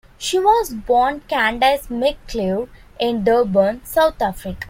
She was born Candice McClure in Durban, South Africa.